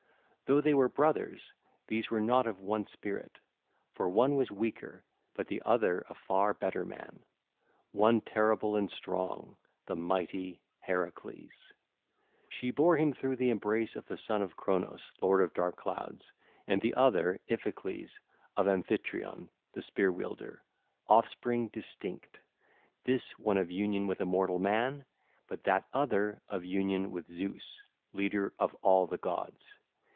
Though they were brothers, these were not of one spirit; for one was weaker but the other a far better man, one terrible and strong, the mighty Heracles. Him she bare through the embrace of the son of Cronos lord of dark clouds and the other, Iphiclus, of Amphitryon the spear wielder—offspring distinct, this one of union with a mortal man, but that other of union with Zeus, leader of all the gods.